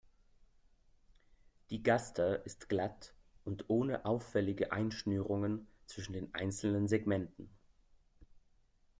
Die Gaster ist glatt und ohne auffällige Einschnürungen zwischen den einzelnen Segmenten.